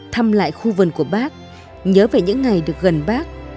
thăm lại khu vườn của bác nhớ về những ngày được gần bác